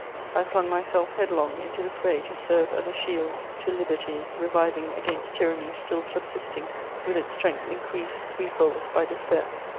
I flung myself headlong into the fray to serve as a shield to liberty reviving against tyranny still subsisting, with its strength increased threefold by despair.